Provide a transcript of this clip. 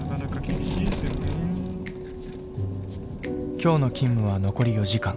今日の勤務は残り４時間。